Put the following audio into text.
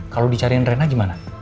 kalau dicariin rena gimana